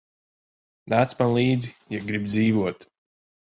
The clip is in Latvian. Nāc man līdzi, ja gribi dzīvot.